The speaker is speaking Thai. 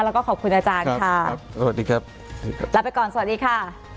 แล้วก็ขอบคุณอาจารย์ค่ะแล้วไปก่อนสวัสดีค่ะ